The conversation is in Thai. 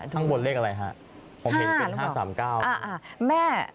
ข้างบนเลขอะไรฮะผมเห็นเป็น๕๓๙